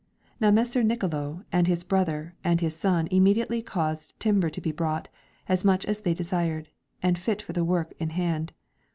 Now Messer Nicolo and his brother and his son immediately caused timber to be brought, as much as they desired, and fit for the work in hand.